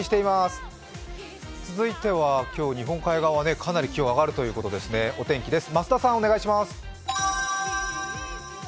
続いては今日、日本海側はかなり気温が上がるということです、お天気です。